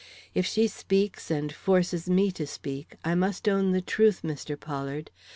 If she speaks and forces me to speak, I must own the truth, Mr. Pollard.